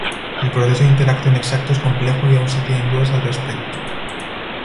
El proceso de interacción exacto es complejo y aún se tienen dudas al respecto.